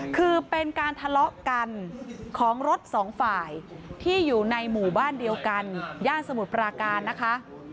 คือเป็นการทะเลาะกันของรถสองฝ่ายที่อยู่ในหมู่บ้านเดียวกันย่านสมุทรปราการนะคะ